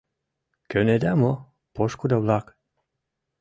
Кӧнеда мо, пошкудо-влак?